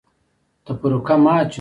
تفرقه مه اچوئ